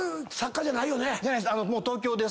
じゃないです。